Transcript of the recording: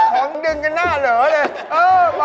ของดึงกันหน้าเหลือเลย